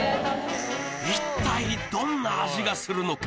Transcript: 一体どんな味がするのか？